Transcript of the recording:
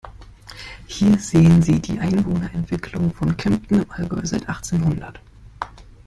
Hier sehen Sie die Einwohnerentwicklung von Kempten im Allgäu seit achtzehnhundert.